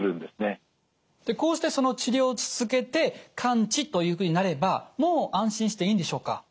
こうしてその治療を続けて完治というふうになればもう安心していいんでしょうか？